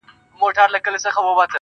سترگو کي باڼه له ياده وباسم.